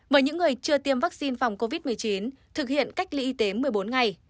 với những người chưa tiêm vaccine phòng covid một mươi chín thực hiện cách ly y tế một mươi bốn ngày